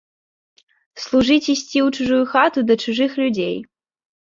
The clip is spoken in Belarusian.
Служыць ісці ў чужую хату, да чужых людзей.